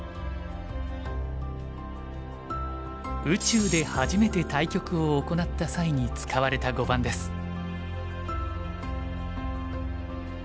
宇宙で初めて対局を行った際に使われた碁盤です。